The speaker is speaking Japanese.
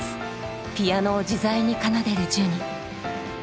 ピアノを自在に奏でるジュニ。